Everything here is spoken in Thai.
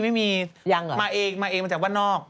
ไม่มีมาเองมาจากว่านอก